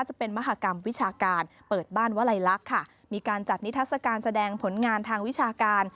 จะเป็นมหากรรมวิชาการเปิดบ้านวลัยลักษณ์ค่ะมีการจัดนิทัศกาลแสดงผลงานทางวิชาการ